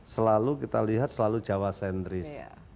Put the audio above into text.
selalu kita lihat selalu jawa sentris